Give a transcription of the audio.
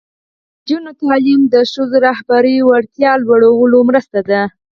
د نجونو تعلیم د ښځو رهبري وړتیا لوړولو مرسته ده.